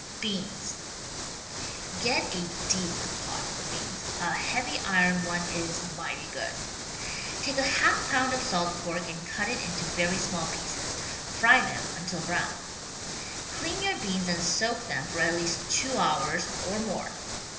BEANS Get a deep pot for beans. A heavy iron one is mighty good. Take a half pound of salt pork and cut it into very small pieces. Fry them until brown. Clean your beans and soak them for at least two hours — or more.